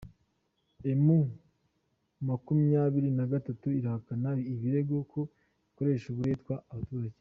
Emu makumyabiri nagatatu irahakana ibirego ko ikoresha uburetwa abaturage